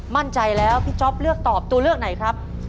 มั่นใจแล้วพี่จ๊อปเลือกตอบตัวเลือกไหนครับ